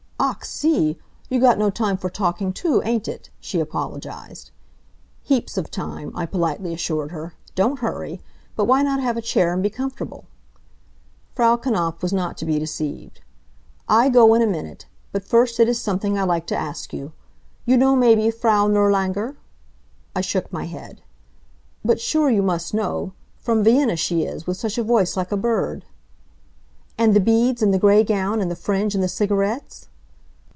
"Ach, see! you got no time for talking to, ain't it?" she apologized. "Heaps of time," I politely assured her, "don't hurry. But why not have a chair and be comfortable?" Frau Knapf was not to be deceived. "I go in a minute. But first it is something I like to ask you. You know maybe Frau Nirlanger?" I shook my head. "But sure you must know. From Vienna she is, with such a voice like a bird." "And the beads, and the gray gown, and the fringe, and the cigarettes?"